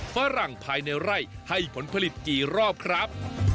ฝรั่งภายในไร่ให้ผลผลิตกี่รอบครับ